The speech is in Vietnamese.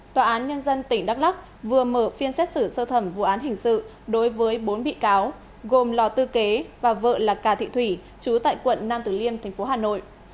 tòa án nhân dân tỉnh đắk lắc vừa mở phiên xét xử sơ thẩm vụ án hình sự đối với bốn bị cáo gồm lò tư kế và vợ là cà thị thủy chú tại quận nam tử liêm tp hà nội